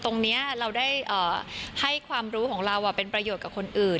ตรงนี้เราได้ให้ความรู้ของเราเป็นประโยชน์กับคนอื่น